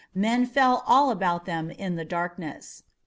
Men fell all about them in the darkness.